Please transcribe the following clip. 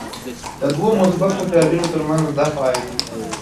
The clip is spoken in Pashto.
د دوو مثبت چارجونو ترمنځ دفعه وي.